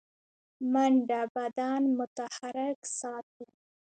منډه بدن متحرک ساتي